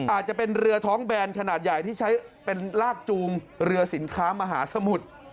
อาจจะเป็นเรือท้องแบนขนาดใหญ่ที่ใช้เป็นลากจูงเรือสินค้ามหาสมุทร